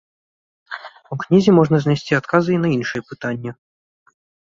У кнізе можна знайсці адказы і на іншыя пытанні.